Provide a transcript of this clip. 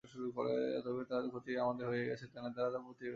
অতঃপর যে ক্ষতি আমাদের হইয়া গিয়াছে, ধ্যানের দ্বারা তাহার প্রতিকার করিতে হইবে।